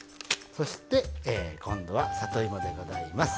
そして今度は里芋でございます。